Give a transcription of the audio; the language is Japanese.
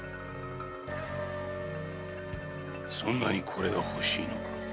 そんなにこれが欲しいのか？